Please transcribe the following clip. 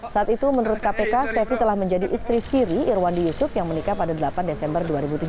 saat itu menurut kpk stefi telah menjadi istri siri irwandi yusuf yang menikah pada delapan desember dua ribu tujuh belas